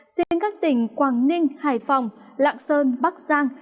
riêng các tỉnh quảng ninh hải phòng lạng sơn bắc giang